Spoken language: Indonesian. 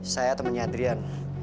saya temennya adrian